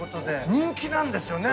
人気なんですよね。